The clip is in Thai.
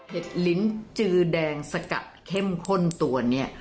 ลิ้นจือแดงสกัดเข้มข้นตัวนี้